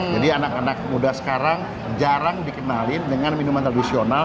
jadi anak anak muda sekarang jarang dikenalin dengan minuman tradisional